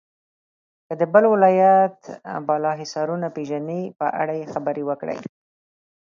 که د بل ولایت بالا حصارونه پیژنئ په اړه یې خبرې وکړئ.